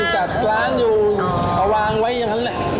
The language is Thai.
จัดร้านอยู่เอาวางไว้อย่างนั้นแหละ